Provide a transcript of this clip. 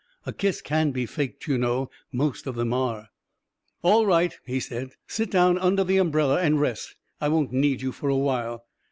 A kiss can be faked, you know; most of them are. "All right," he said. " Sit down under the um brella and rest. I won't need you for awhile."